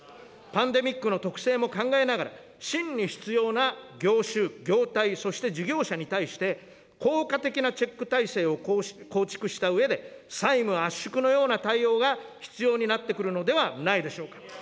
パンデミックの特性も考えながら、真に必要な業種、業態、そして事業者に対して、効果的なチェック体制を構築したうえで、債務圧縮のような対応が必要になってくるのではないでしょうか。